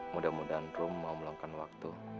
mudah mudahan rum mau melakukan waktu